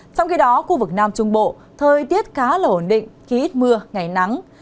trong khi đó khu vực nam trung bộ thời tiết khá là ổn định khi ít mưa ngày nắng